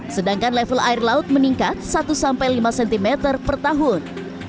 sedangkan level air laut meningkat satu sampai lima cm per tahun